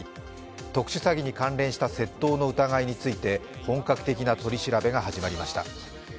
特殊詐欺に関連した窃盗の疑いについて本格的な取り調べが始まりました。